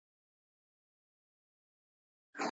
د ماسټرۍ برنامه له اجازې پرته نه کارول کیږي.